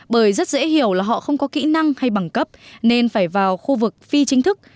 bởi rất dễ hiểu là họ không có kỹ năng hay bằng cấp nên phải vào khu vực phi chính thức